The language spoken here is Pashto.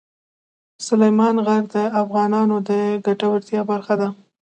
سلیمان غر د افغانانو د ګټورتیا برخه ده.